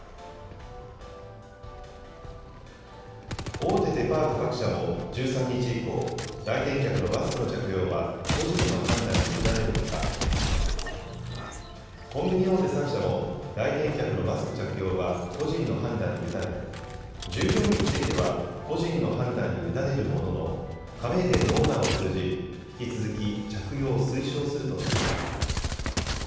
大手デパート各社も１３日以降、来店客のマスクの着用は個人の判断に委ねるほか、コンビニ大手３社も来店客のマスク着用は個人の判断に委ね、従業員については、個人の判断に委ねるものの、加盟店のオーナーを通じ、引き続き着用を推奨するとしています。